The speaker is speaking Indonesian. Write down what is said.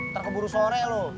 ntar keburu sore lu